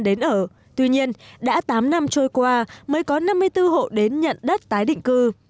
đến ở tuy nhiên đã tám năm trôi qua mới có năm mươi bốn hộ đến nhận đất tái định cư